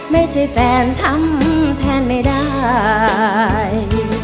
ไม่ใช่แฟนทำแทนไม่ได้